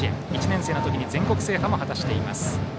１年生の時に全国制覇も果たしています。